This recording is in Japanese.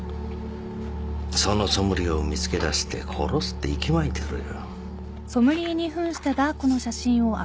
そのソムリエを見つけだして殺すって息巻いてるよ。